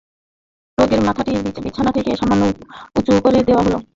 রোগীর মাথাটি বিছানা থেকে সামান্য উঁচু করে দেয়া হল।